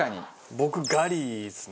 僕ガリですね。